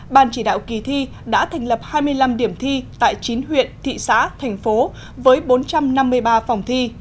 ban chỉ đạo kỳ thi đã thành lập hai mươi năm điểm thi tại chín huyện thị xã thành phố với bốn trăm năm mươi ba phòng thi